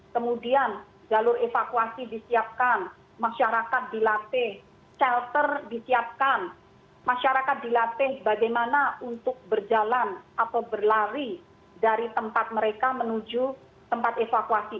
kemudian jalur evakuasi disiapkan masyarakat dilatih shelter disiapkan masyarakat dilatih bagaimana untuk berjalan atau berlari dari tempat mereka menuju tempat evakuasi